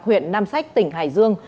huyện nam sách tỉnh hải dương